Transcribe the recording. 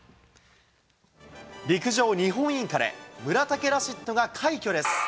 陸上・日本インカレ、村竹ラシッドが快挙です。